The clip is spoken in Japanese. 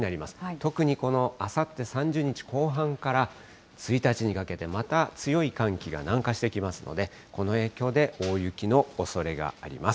特にこの、あさって３０日後半から、１日にかけて、また強い寒気が南下してきますので、この影響で大雪のおそれがあります。